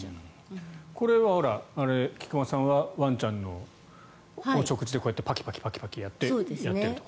これは菊間さんはワンちゃんのお食事でこうやってパキパキやってやってると。